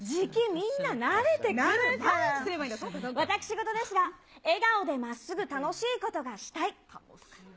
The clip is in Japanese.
慣れてくればいいんだ、私事ですが、笑顔でまっすぐ楽しいことがしたい。